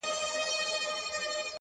کوټي ته درځمه گراني;